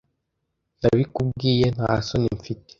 ndabikubwiye nta soni mfite